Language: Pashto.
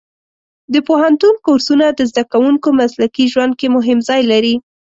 د پوهنتون کورسونه د زده کوونکو مسلکي ژوند کې مهم ځای لري.